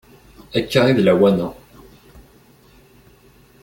Akka i d lawan-a.